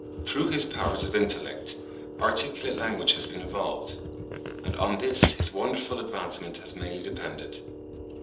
Through his powers of intellect, articulate language has been evolved; and on this his wonderful advancement has mainly depended.